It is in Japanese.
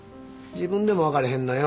自分でも分からへんのよ。